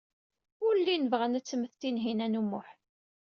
Ur llin bɣan ad temmet Tinhinan u Muḥ.